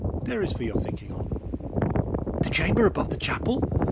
There is for your thinking on." "The chamber above the chapel!"